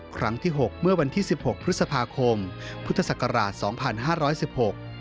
ครั้งที่หกเมื่อวันที่๑๖พฤษภาคมพุทธศักราช๒๕๑๖